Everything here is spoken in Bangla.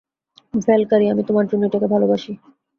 ভ্যালকারি, আমি তোমার জন্য এটাকে ভালোবাসি।